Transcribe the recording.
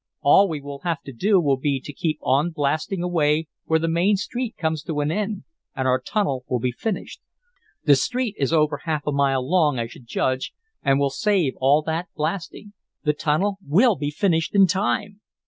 All we will have to do will be to keep on blasting away, where the main street comes to an end, and our tunnel will be finished. The street is over half a mile long, I should judge, and we'll save all that blasting. The tunnel will be finished in time!"